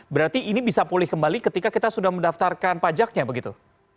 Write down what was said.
berarti ini bisa pulih kembali ketika kita sudah mendaftarkan pajaknya begitu